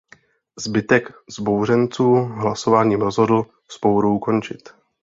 Zbytek vzbouřenců hlasováním rozhodl vzpouru ukončit.